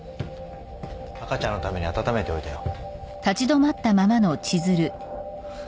赤ちゃんのために暖めておいたよ。